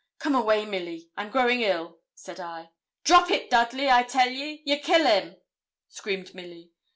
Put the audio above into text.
'Come away, Milly I'm growing ill,' said I. 'Drop it, Dudley, I tell ye; you'll kill him,' screamed Milly.